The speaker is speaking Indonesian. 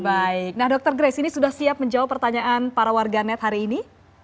baik nah dokter grace ini sudah siap menjawab pertanyaan para warganet hari ini